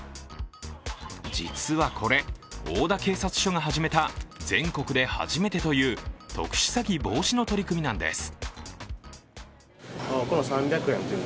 実はこれ、大田警察署が始めた全国で初めてという特殊詐欺防止の取り組みなんです。